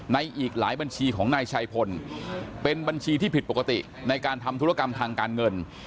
อีกหลายบัญชีของนายชัยพลเป็นบัญชีที่ผิดปกติในการทำธุรกรรมทางการเงิน